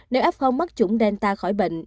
nếu f mắc chủng delta khỏi bệnh